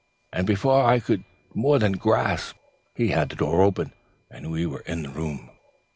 And before I could more than gasp he had the door open, and we were in the room.